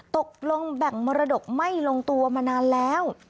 ตกลงแบ่งมรดกไม่ลงตัวมานานแล้ว